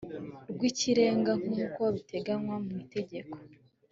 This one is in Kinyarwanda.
rw ikirenga nk uko biteganywa mu itegeko